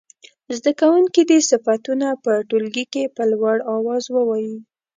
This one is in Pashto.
زده کوونکي دې صفتونه په ټولګي کې په لوړ اواز ووايي.